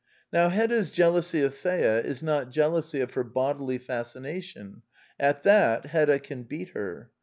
Now Hedda's jealousy of Thea is not jealousy of her bodily fascination : at that Hedda can beat her.